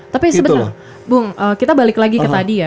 tapi sebenarnya bung kita balik lagi ke tadi ya